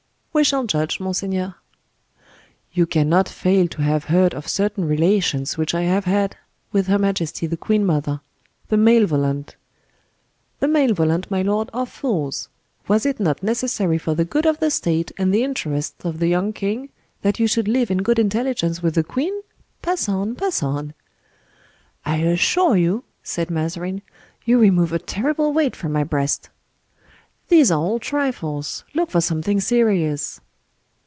"We shall judge, monseigneur." "You cannot fail to have heard of certain relations which I have had—with her majesty the queen mother;—the malevolent—" "The malevolent, my lord, are fools. Was it not necessary for the good of the state and the interests of the young king, that you should live in good intelligence with the queen? Pass on, pass on!" "I assure you," said Mazarin, "you remove a terrible weight from my breast." "These are all trifles!—look for something serious."